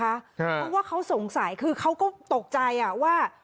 เพราะว่าเขาสงสัยคือเขาก็ตกใจว่า